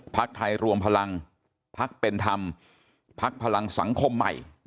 ภาคไทยรวมพลังภาคเป็นธรรมภาคพลังสังคมใหม่